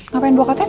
ngapain buah ktp